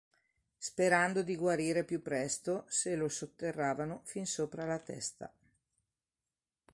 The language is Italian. Sperando di guarire più presto se lo sotterravano fin sopra la testa.